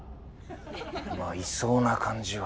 まあいそうな感じは。